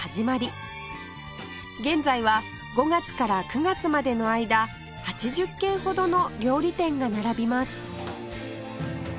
現在は５月から９月までの間８０軒ほどの料理店が並びます